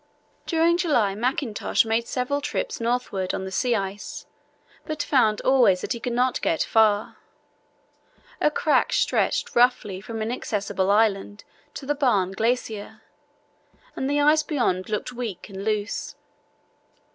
During July Mackintosh made several trips northwards on the sea ice, but found always that he could not get far. A crack stretched roughly from Inaccessible Island to the Barne Glacier, and the ice beyond looked weak and loose.